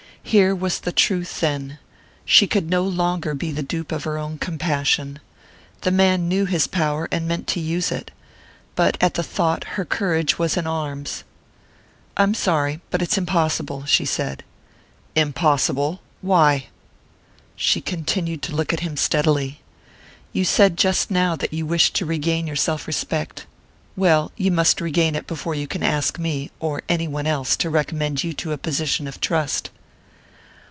Here was the truth, then: she could no longer be the dupe of her own compassion. The man knew his power and meant to use it. But at the thought her courage was in arms. "I'm sorry but it's impossible," she said. "Impossible why?" She continued to look at him steadily. "You said just now that you wished to regain your self respect. Well, you must regain it before you can ask me or any one else to recommend you to a position of trust."